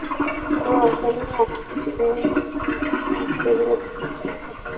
পুরনো বিদ্বেষ আর পারিবারিক কলহের কথা মনে পরছে!